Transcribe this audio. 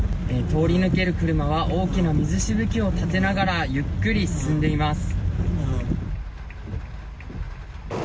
通り抜ける車は大きな水しぶきを立てながらゆっくり進んでいます。